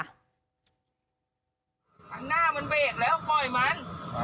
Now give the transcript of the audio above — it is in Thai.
หน้ามันเบรกแล้วปล่อยมัน